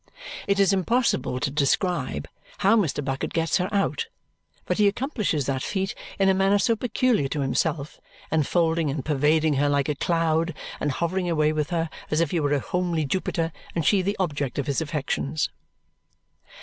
It is impossible to describe how Mr. Bucket gets her out, but he accomplishes that feat in a manner so peculiar to himself, enfolding and pervading her like a cloud, and hovering away with her as if he were a homely Jupiter and she the object of his affections.